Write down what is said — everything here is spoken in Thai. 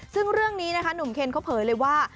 ซึ่งเรื่องนี้นะคะหนุ่มเคนเขาเผยเลยว่า